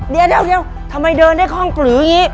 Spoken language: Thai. เดี๋ยวทำไมเดินได้คล่องกลืออย่างนี้